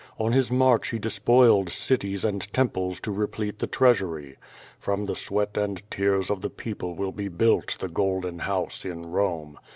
On his march he despoiled cities and temples to replete the treasury. From the sweat and tears of the people will be built the ^^Oolden House'' in Rome.